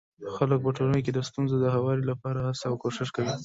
خلک په ټولنه کي د ستونزو د هواري لپاره هڅه او کوښښ کوي.